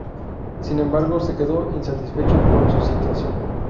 Sin embargo, se quedó insatisfecho con su situación.